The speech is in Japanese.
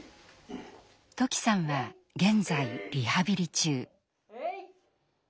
土岐さんは現在リハビリ中。